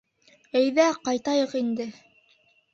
— Әйҙә, ҡайтайыҡ инде.